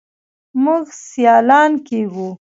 موږ سیالان کیږو.